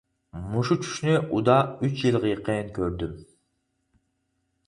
مۇشۇ چۈشنى ئۇدا ئۈچ يىلغا يېقىن كۆردۈم.